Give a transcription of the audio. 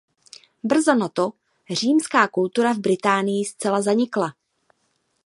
Brzo na to římská kultura v Británii zcela zanikla.